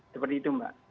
seperti itu mbak